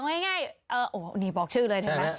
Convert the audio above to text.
ไม่ง่ายนี่บอกชื่อเลยใช่ไหม